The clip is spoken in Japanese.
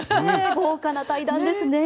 豪華な対談ですね。